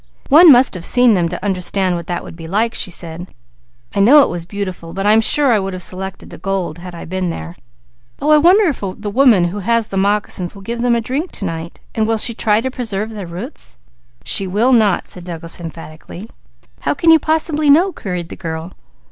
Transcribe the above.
"One must have seen them to understand what that would be like," she said. "I know it was beautiful, but I'm sure I should have selected the gold had I been there. Oh I wonder if the woman who has the moccasins will give them a drink to night! And will she try to preserve their roots?" "She will not!" said Douglas emphatically. "How can you possibly know?" queried the girl.